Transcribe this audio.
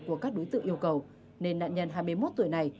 của các đối tượng yêu cầu nên nạn nhân hai mươi một tuổi này